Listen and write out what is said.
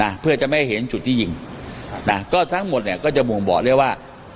นะเพื่อจะไม่ให้เห็นจุดที่ยิงนะก็ทั้งหมดเนี้ยก็จะบ่งบอกได้ว่า